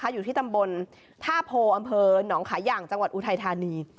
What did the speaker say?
อยู่ที่ตำบลท่าโพอำเภอหนองขาย่างจังหวัดอุทัยธานี